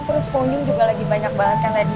terus ponyum juga lagi banyak banget kan tadi